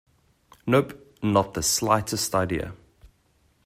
Nope, not the slightest idea.